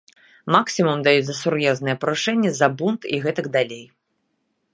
Максімум даюць за сур'ёзныя парушэнні, за бунт і гэтак далей.